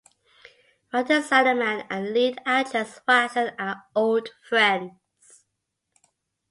Writer Salaman and lead actress Watson are old friends.